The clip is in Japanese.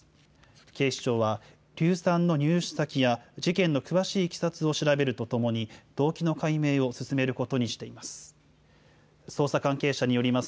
警視庁は、硫酸の入手先や、事件の詳しいいきさつを調べるとともに、動機の解明を進めることにしています。